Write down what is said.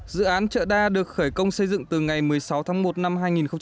dự án chợ đa được khởi công xây dựng từ ngày một mươi sáu tháng một năm hai nghìn một mươi năm